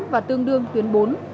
và tương đương tuyến bốn